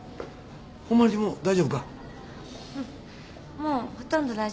もうほとんど大丈夫だって。